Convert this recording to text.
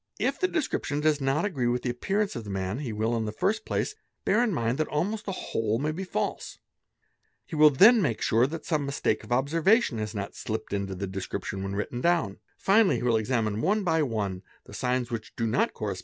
If the description does not agree with the appearance of the man he will in the first place bear in mind that almost the whole may be false; he will then make sure that some mistake of observation has not slipped into the description when written down; finally he will examine one by one the signs which do not corres